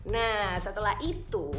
nah setelah itu